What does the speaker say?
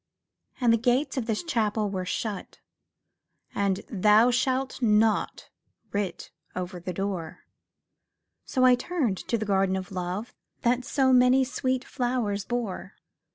And the gates of this Chapel were shut, And 'Thou shalt not' writ over the door; So I turned to the Garden of Love That so many sweet flowers bore.